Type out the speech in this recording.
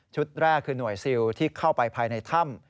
แรกคือหน่วยซิลที่เข้าไปภายในถ้ำ